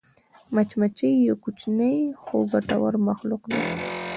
مچمچۍ یو کوچنی خو ګټور مخلوق دی